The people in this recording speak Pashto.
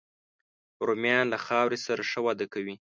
رومیان له خاورې سره ښه وده کوي